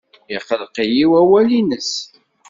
Iqelleq-iyi wawal-nnes.